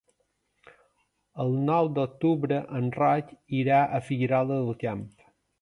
El nou d'octubre en Roc irà a Figuerola del Camp.